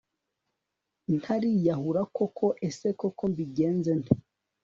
ntariyahura koko ese koko mbigenze nte